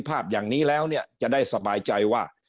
ภาพอย่างนี้แล้วเนี่ยจะได้สบายใจว่า